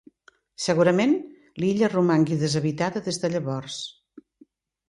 Segurament l'illa romangui deshabitada des de llavors.